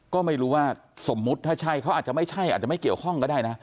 ก็ไม่รู้ว่าสมมุติถ้าใช่เขาอาจจะไม่ใช่อาจจะไม่เกี่ยวข้องก็ได้นะ